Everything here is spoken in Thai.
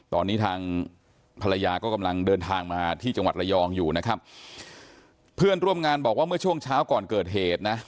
ตอนนี้ทางภรรยาก็กำลังเดินทางมาที่จังหวัดระยองอยู่นะครับเพื่อนร่วมงานบอกว่าเมื่อช่วงเช้าก่อนเกิดเหตุนะ